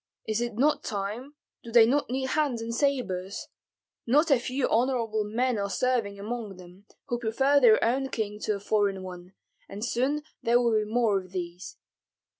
Is it not time, do they not need hands and sabres? Not a few honorable men are serving among them, who prefer their own king to a foreign one, and soon there will be more of these.